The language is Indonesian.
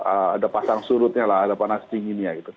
ada pasang surutnya lah ada panas dinginnya gitu